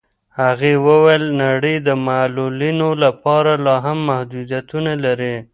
هغې وویل نړۍ د معلولینو لپاره لاهم محدودیتونه لري.